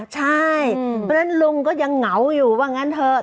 ใช่เพราะฉะนั้นลุงก็ยังเหงาอยู่ว่างั้นเถอะ